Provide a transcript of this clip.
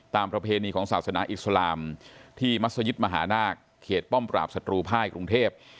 ประเพณีของศาสนาอิสลามที่มัศยิตมหานาคเขตป้อมปราบศัตรูภายกรุงเทพ